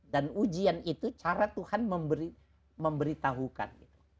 dan ujian itu cara tuhan memberitahukan